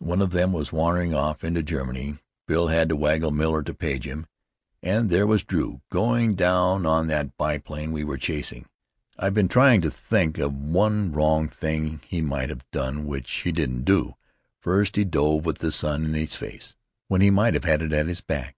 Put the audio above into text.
"One of them was wandering off into Germany. Bill had to waggle Miller to page him." "And there was Drew, going down on that biplane we were chasing. I've been trying to think of one wrong thing he might have done which he didn't do. First he dove with the sun in his face, when he might have had it at his back.